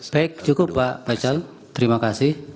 baik cukup pak faisal terima kasih